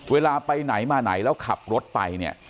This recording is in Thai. เวลาไปไหนมาไหนแล้วขับรถไปเนี่ย